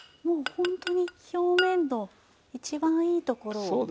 もうホントに表面の一番いいところを。